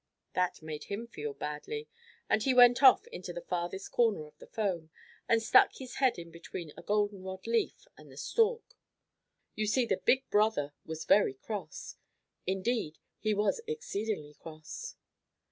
That made him feel badly, and he went off into the farthest corner of the foam and stuck his head in between a golden rod leaf and the stalk. You see the big brother was very cross. Indeed, he was exceedingly cross.